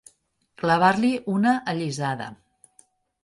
Clavar-li una allisada.